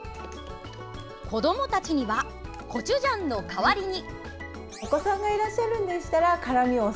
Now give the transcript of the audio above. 子どもたちにはコチュジャンの代わりに。